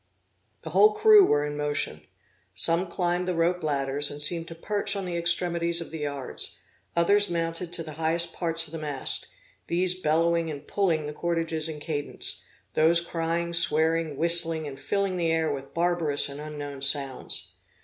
The whole crew were in motion. Some climbed the rope ladders, and seemed to perch on the extremities of the yards; others mounted to the highest parts of the mast; these bellowing and pulling the cordages in cadence; those crying, swearing, whistling, and filling the air with barbarous and unknown sounds.